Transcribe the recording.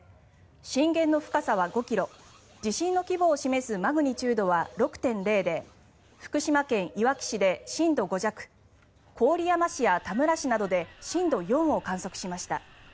震源の深さは５ｋｍ地震の規模を示すマグニチュードは６．０で福島県いわき市で震度５弱郡山市や田村市などで震度４を観測しました。